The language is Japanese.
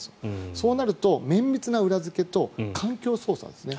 そうなると綿密な裏付けと環境捜査ですね。